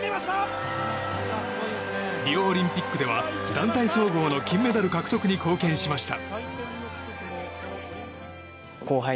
リオオリンピックでは団体総合の金メダル獲得に貢献しました。